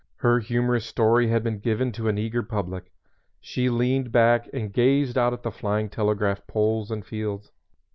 Her humorous story had been given to an eager public. She leaned back and gazed out at the flying telegraph poles and fields.